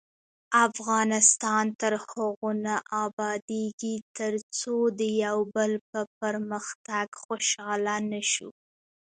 افغانستان تر هغو نه ابادیږي، ترڅو د یو بل په پرمختګ خوشحاله نشو.